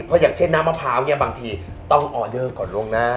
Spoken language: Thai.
เพราะอย่างเช่นน้ำมะพร้าวเนี่ยบางทีต้องออเดอร์ก่อนล่วงหน้า